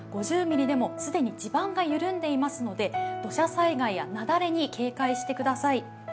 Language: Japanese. ５０ミリでも既に地盤が緩んでいますので、土砂災害や雪崩に警戒してください。